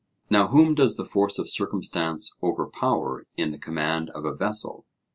Now whom does the force of circumstance overpower in the command of a vessel?